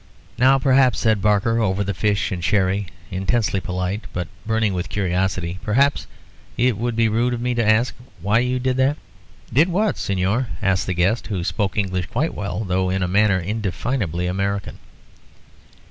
"Now, perhaps," said Barker, over the fish and sherry, intensely polite, but burning with curiosity, "perhaps it would be rude of me to ask why you did that?" "Did what, Señor?" asked the guest, who spoke English quite well, though in a manner indefinably American.